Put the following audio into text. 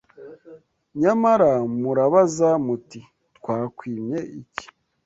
Nyamara murabaza muti “Twakwimye iki?”